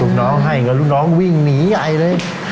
ลูกน้องให้เงินลูกน้องวิ่งหนีใหญ่เลย